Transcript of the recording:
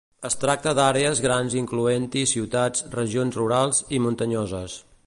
Es tracta d'àrees grans incloent-hi ciutats, regions rurals i muntanyoses.